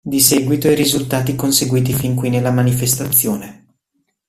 Di seguito i risultati conseguiti fin qui nella manifestazione.